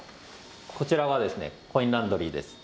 こちらがコインランドリーです